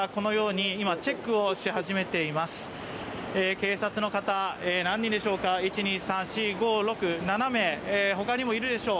警察の方、何人でしょうか、７名、ほかにもいるでしょう。